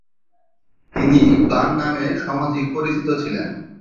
তিনি বাণ নামে সমধিক পরিচিত ছিলেন।